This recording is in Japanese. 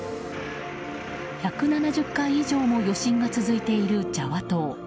１７０回以上も余震が続いているジャワ島。